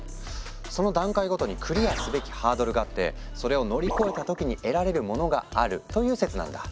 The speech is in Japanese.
その段階ごとにクリアすべきハードルがあってそれを乗り越えた時に得られるものがあるという説なんだ。